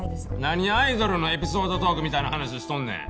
何アイドルのエピソードトークみたいな話しとんねん！